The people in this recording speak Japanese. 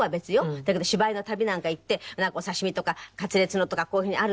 だけど芝居の旅なんか行ってお刺し身とかカツレツのとかこういう風にあるじゃない。